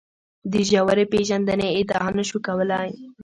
د ژورې پېژندنې ادعا نه شو کولای.